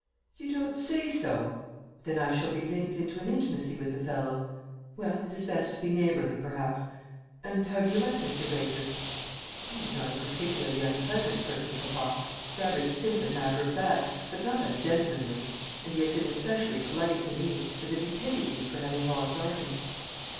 "You don't say so! Then I shall be linked into an intimacy with the fellow. Well, it is best to be neighbourly, perhaps. And how do you like Mr. Granger?" "He is not a particularly unpleasant person, papa; rather stiff and matter of fact, but not ungentlemanly; and he has been especially polite to me, as if he pitied me for having lost Arden."